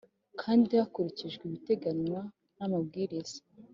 kandi hakurikijwe ibiteganywa n amabwiriza